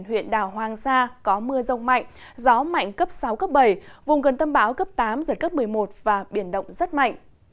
huyện đảo hoàng sa có mưa rông mạnh gió mạnh cấp sáu cấp bảy vùng gần tâm bão cấp tám giật cấp một mươi một và biển động rất mạnh